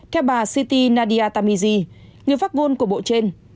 theo bà siti nadia tamizi người phát ngôn của bộ trên